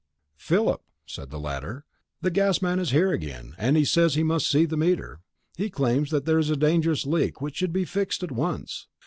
"Philip," said the latter, "that gas man is here again, and says he must see the meter. He claims that there is a dangerous leak which should be fixed at once.